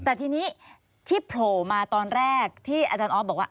แต่ทีนี้ที่โผล่มาตอนแรกที่อาจารย์ออฟบอกว่า